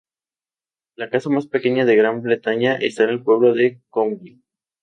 La casa más pequeña de Gran Bretaña está en el pueblo de Conwy.